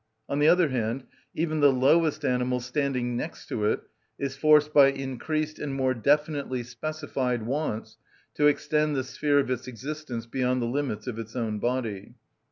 On the other hand, even the lowest animal standing next to it is forced by increased and more definitely specified wants to extend the sphere of its existence beyond the limits of its own body.